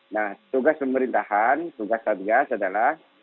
nah tugas pemerintahan tugas satgas adalah